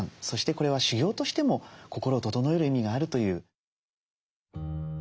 そしてこれは修行としても心を整える意味があるという。